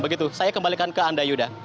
begitu saya kembalikan ke anda yuda